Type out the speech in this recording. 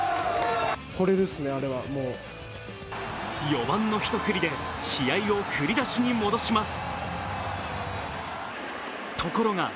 ４番の一振りで試合を振り出しに戻します。